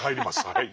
はい。